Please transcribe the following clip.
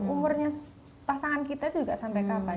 umurnya pasangan kita tuh nggak sampai kapan